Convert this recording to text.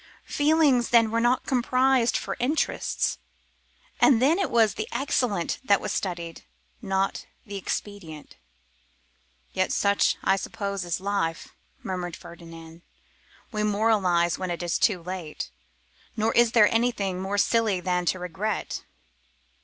Feelings then were not compromised for interests; and then it was the excellent that was studied, not the expedient. 'Yet such I suppose is life,' murmured Ferdinand; 'we moralise when it is too late; nor is there anything more silly than to regret.